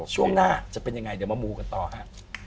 ช่วงหน้าจะเป็นยังไงเดี๋ยวมามูกันต่อฮะ